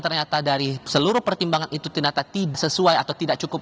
ternyata dari seluruh pertimbangan itu ternyata sesuai atau tidak cukup